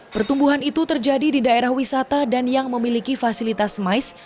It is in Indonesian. pertumbuhan itu terjadi di daerah wisata dan yang memiliki fasilitas smais